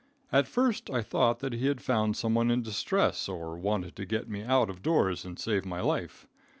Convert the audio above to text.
At first I thought that he had found some one in distress, or wanted to get me out of doors and save my life.